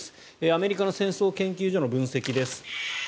アメリカの戦争研究所の分析です。